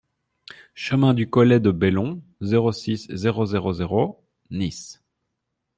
Chemin du Collet de Bellon, zéro six, zéro zéro zéro Nice